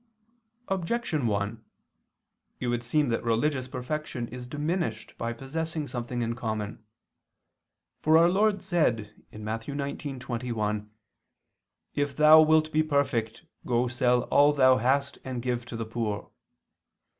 Objection 1: It would seem that religious perfection is diminished by possessing something in common. For our Lord said (Matt. 19:21): "If thou wilt be perfect, go sell all [Vulg.: 'what'] thou hast and give to the poor."